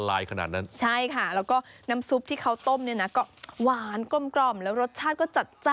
แล้วก็น้ำซุปที่เค้าต้มเนี่ยนะก็หวานกล้มแล้วรสชาติก็จัด